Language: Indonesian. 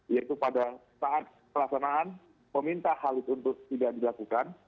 yaitu pada saat pelaksanaan meminta hal itu untuk tidak dilakukan